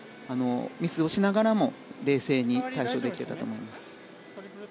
ミスをしながらも冷静に対処できていたと思います。